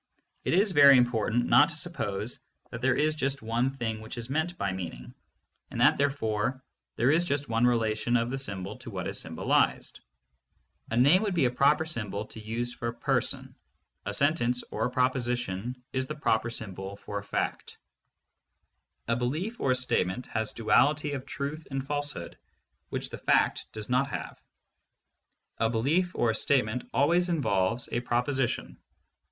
It is very im portant not to suppose that there is just one thing which is meant by "meaning," and that therefore there is just one sort of relation of the symbol to what is symbolized. THE PHILOSOPHY OF LOGICAL ATOMISM. 507 A name would be a proper symbol to use for a person; a sentence (or a proposition) is the proper symbol for a fact. A belief or a statement has duality of truth and false hood, which the fact does not have. A belief or a statement always involves a proposition.